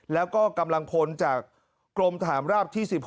แล้วก็กำลังพลจากกรมฐานราบที่๑๖